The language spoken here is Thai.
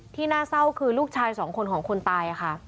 น่าเศร้าคือลูกชายสองคนของคนตายค่ะ